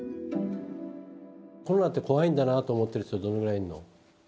コロナって怖いんだなと思ってる人どのぐらいいるの？